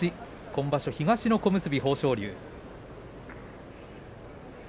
今場所、東の小結豊昇龍。